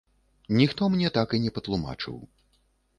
Ніхто мне так і не патлумачыў.